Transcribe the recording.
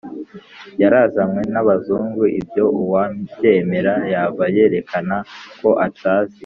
yarazanywe n'abazungu. ibyo uwabyemera, yaba yerekana ko atazi